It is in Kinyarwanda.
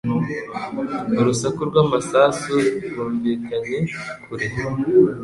Urusaku rw'amasasu rwumvikanye kure.